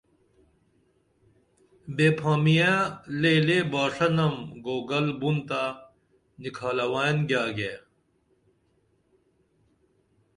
بے پھامیے لےلے باݜہ نم گوگل بُن تہ نِکھالوئین گیاگیے